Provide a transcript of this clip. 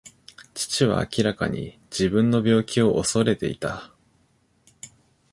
父は明らかに自分の病気を恐れていた。